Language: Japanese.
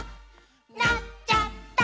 「なっちゃった！」